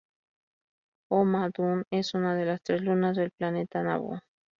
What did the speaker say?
Ohma-D'un es una de las tres lunas del planeta Naboo.